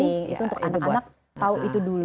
itu untuk anak anak tahu itu dulu